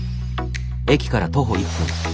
駅から徒歩１分。